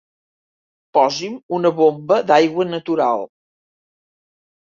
Posi'm una bomba d'aigua natural.